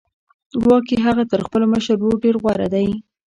ګواکې هغه تر خپل مشر ورور ډېر غوره دی